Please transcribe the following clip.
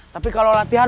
tapi kalau latihan